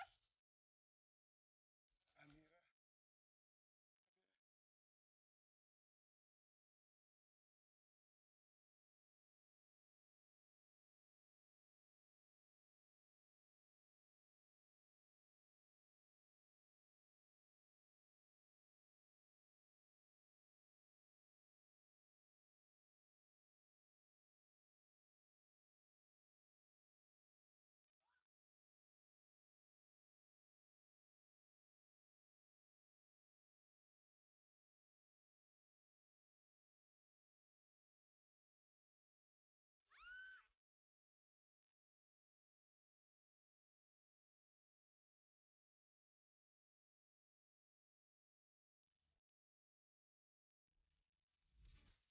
mas kau tak ada amira mas